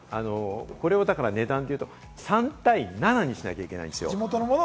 これが今、値段でいうと３対７にしなきゃいけないんですよ。